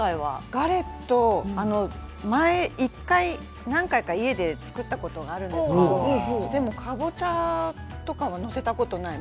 ガレット前に１回、何回か作ったことあるんですけれどかぼちゃとかは載せたことない。